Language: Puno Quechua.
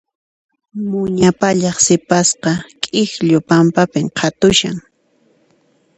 Muña pallaq sipasqa k'ikllu pampapi qhatushan.